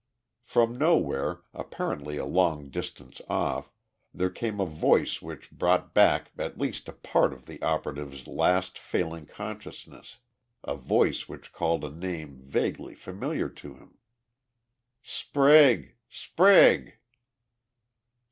From somewhere, apparently a long distance off, there came a voice which brought back at least a part of the operative's fast failing consciousness, a voice which called a name vaguely familiar to him: "Sprague! Sprague!"